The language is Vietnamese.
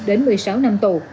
đến một mươi sáu năm tù